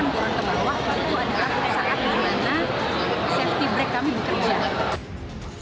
lalu ada saat di mana safety break kami bekerja